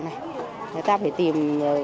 người ta phải tìm